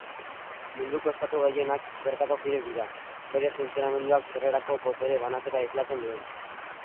Munduko estatu gehienak bertako kide dira, bere funtzionamenduak sorrerako botere banaketa islatzen duen arren.